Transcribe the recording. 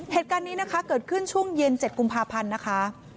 เหตุการณ์นี้นะคะเกิดขึ้นช่วงเย็น๗กุมภาพันธ์นะคะ